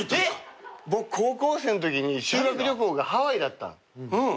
僕高校生のときに修学旅行がハワイだった。